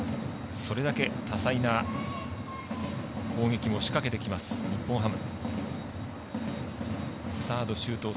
それだけ多彩な攻撃を仕掛けてきます、日本ハム。